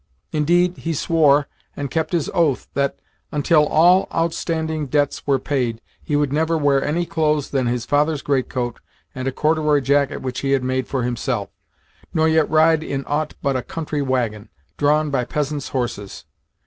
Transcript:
Indeed, he swore, and kept his oath, that, until all outstanding debts were paid, he would never wear any clothes than his father's greatcoat and a corduroy jacket which he had made for himself, nor yet ride in aught but a country waggon, drawn by peasants' horses.